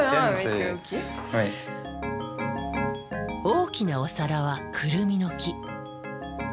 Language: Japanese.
大きなお皿はクルミの木。